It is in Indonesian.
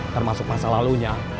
termasuk masa lalunya